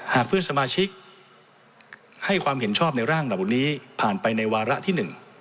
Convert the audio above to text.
หากเพื่อนสมาชิกให้ความเห็นชอบในร่างเหล่านี้ผ่านไปในวาระที่๑